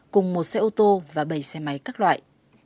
cùng một xe ô tô và bảy xe máy các loại